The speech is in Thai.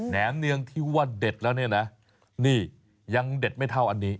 มเนืองที่ว่าเด็ดแล้วเนี่ยนะนี่ยังเด็ดไม่เท่าอันนี้